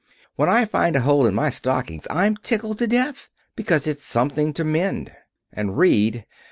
When I find a hole in my stockings I'm tickled to death, because it's something to mend. And read?